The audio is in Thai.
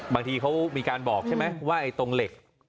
บางทีเขามีการบอกใช่ไหมว่าตรงเหล็ก